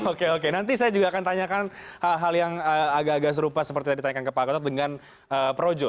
oke oke nanti saya juga akan tanyakan hal hal yang agak agak serupa seperti yang ditanyakan ke pak gatot dengan projo